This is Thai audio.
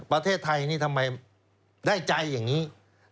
ประเทศไทยนี่ทำไมได้ใจอย่างนี้